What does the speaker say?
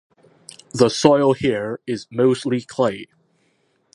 The soil here is mostly clay.